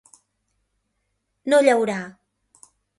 No llaurar.